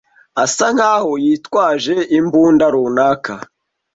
asa nkaho yitwaje imbunda runaka.